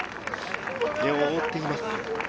目を覆っています。